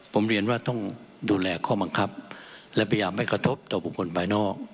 ผมเรียนว่าต้องดูแลข้อบังคับและพยายามไม่กระทบต่อบุคคลภายนอก